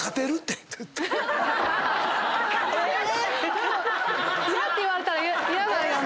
でも嫌って言われたらヤダよね？